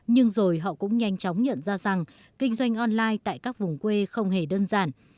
nhưng rồi họ cũng nhanh chóng nhận ra rằng kinh doanh online tại các vùng quê không hề đơn giản